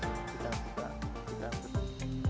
tanaman ini juga berukuran raksasa